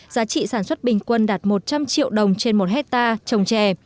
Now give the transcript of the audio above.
giá trị sản xuất bình quân đạt một trăm linh triệu đồng trên một hectare trồng trè